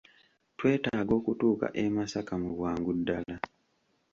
Twetaaga okutuuka e Masaka mu bwangu ddala.